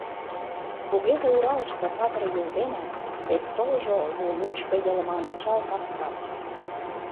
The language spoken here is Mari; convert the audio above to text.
Кугезе Уралышке патыр Юл дене Тек толжо лу-лучко йылман чал Кавказ.